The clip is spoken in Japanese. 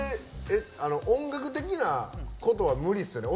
音楽的なことは無理っすよね？